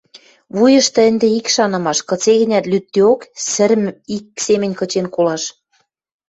вуйышты ӹнде ик шанымаш: кыце-гӹнят лӱддеок, сӹрӹм ик семӹнь кычен колаш...